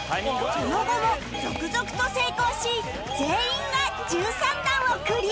その後も続々と成功し全員が１３段をクリア